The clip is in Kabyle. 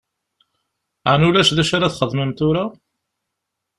Ɛni ulac d acu ara ad txedmem tura?